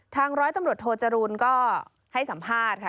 ร้อยตำรวจโทจรูลก็ให้สัมภาษณ์ค่ะ